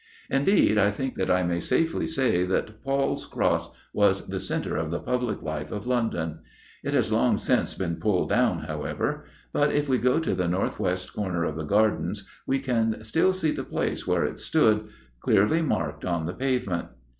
Indeed, I think that I may safely say that 'Paul's Cross' was the centre of the public life of London. It has long since been pulled down, however; but if we go to the north west corner of the gardens, we can still see the place where it stood, clearly marked on the pavement.